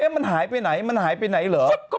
มันหายไปไหนมันหายไปไหนเหรอ